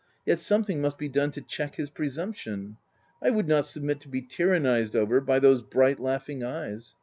Yet something must be done to check his presumption — I would riot submit to be tyrannized over by those bright, laughing eyes.